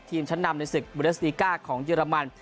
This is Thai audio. ทีมชั้นนำในศึกเวอร์เดอสติก้าของเยอรมัน